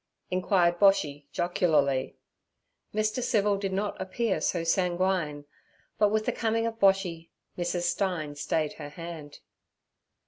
inquired Boshy jocularly. Mr. Civil did not appear so sanguine; but with the coming of Boshy Mrs. Stein stayed her hand.